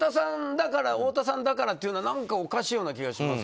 太田さんだからっていうのは何かおかしいような気がします。